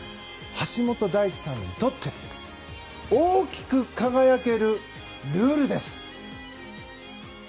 橋本大輝さんにとって大きく輝けるルールです！